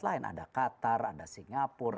lain ada qatar ada singapura